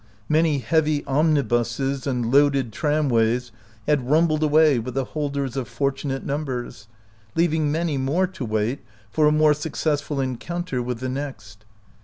Many heavy omni buses and loaded tramways had rumbled away with the holders of fortunate numbers, leaving many more to wait for a more suc cessful encounter with the next.